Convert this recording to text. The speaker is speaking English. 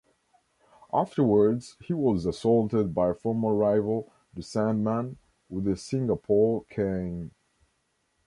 Afterwards, he was assaulted by former rival The Sandman with a Singapore cane.